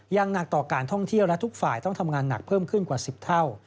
อย่างหนักต่อการท่องเที่ยวและทุกฝ่ายต้องทำงานหนักเพิ่มขึ้นกว่า๑๐เท่า